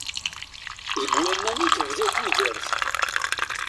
Deg waman i d-tebda tudert.